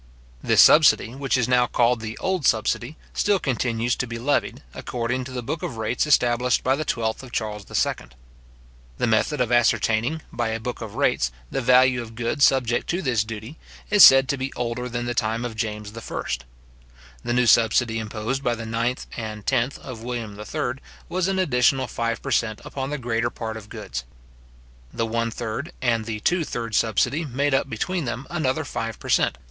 This subsidy, which is now called the old subsidy, still continues to be levied, according to the book of rates established by the twelfth of Charles II. The method of ascertaining, by a book of rates, the value of goods subject to this duty, is said to be older than the time of James I. The new subsidy, imposed by the ninth and tenth of William III., was an additional five per cent. upon the greater part of goods. The one third and the two third subsidy made up between them another five per cent.